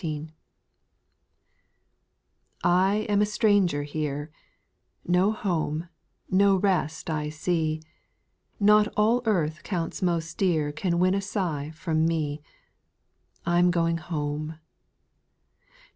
T AM a stranger here ; X No home, no rest I see ; Not all earth counts most dear Can win a sigh from me. I 'm going home.